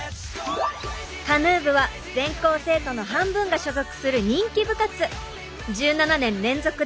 カヌー部は全校生徒の半分が所属する人気部活。